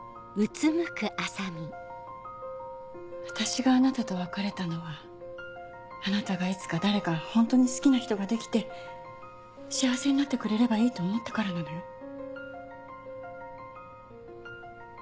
私があなたと別れたのはあなたがいつか誰かホントに好きな人ができて幸せになってくれればいいと思ったからなのよ。